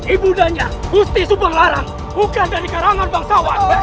ibu danya gusti subang larang bukan dari karangan bangsawan